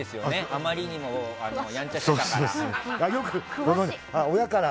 あまりにもやんちゃしてたから。